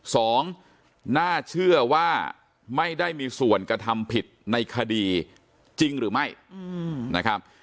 น่าเชื่อว่าไม่ได้มีส่วนกระทำผิดในคดีจริงหรือไม่นะครับ